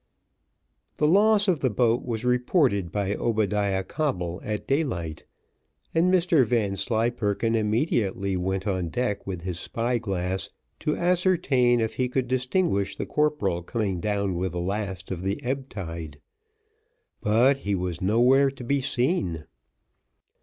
The loss of the boat was reported by Obadiah Coble at daylight, and Mr Vanslyperken immediately went on deck with his spy glass to ascertain if he could distinguish the corporal coming down with the last of the ebb tide but he was nowhere to be seen.